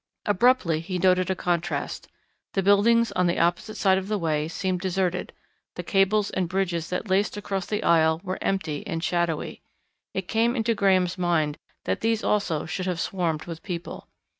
Abruptly he noted a contrast. The buildings on the opposite side of the way seemed deserted, the cables and bridges that laced across the aisle were empty and shadowy. It came into Graham's mind that these also should have swarmed with people.